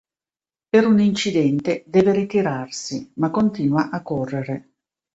Per un incidente, deve ritirarsi, ma continua a correre.